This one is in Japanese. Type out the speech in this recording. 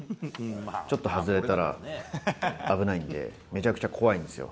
ちょっと外れたら危ないんで、めちゃくちゃ怖いんですよ。